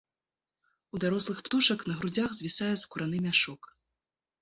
У дарослых птушак на грудзях звісае скураны мяшок.